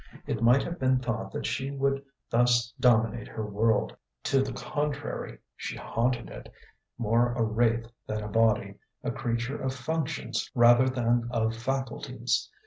It might have been thought that she would thus dominate her world: to the contrary, she haunted it, more a wraith than a body, a creature of functions rather than of faculties.